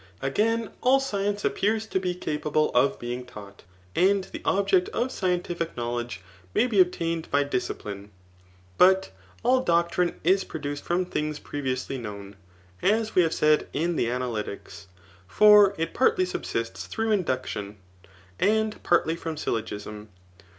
Again, all science appears to be capable of being taught, and the object of scientifk knowledge may be obtained by discipline. But all doctrine is produced from things previously known, as we have said in the Analytics ; for it partly subsists through induction, and partly from syllogism.